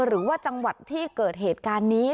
หรือว่าจังหวัดที่เกิดเหตุการณ์นี้